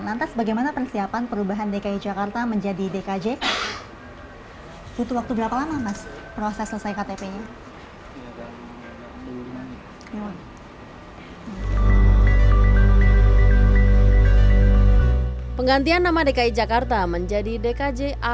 lantas bagaimana persiapan perubahan dki jakarta menjadi dkj